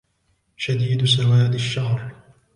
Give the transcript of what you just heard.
شَديدُ سَوادِ الشَّعْرِ